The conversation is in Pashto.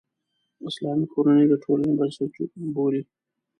اسلام کورنۍ د ټولنې بنسټ بولي.